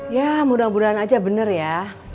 ya mudah mudahan aja bener ya